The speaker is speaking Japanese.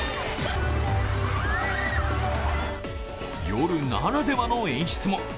夜ならではの演出も。